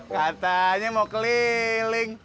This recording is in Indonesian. katanya mau keliling